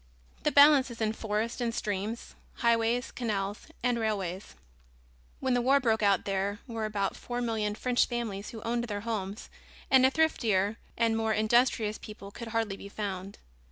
The balance is in forests and streams, highways, canals, and railways. When the war broke out there were about four million French families who owned their homes and a thriftier and more industrious people could hardly be found.